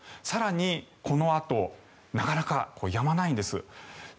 更にこのあとなかなかやまないんです。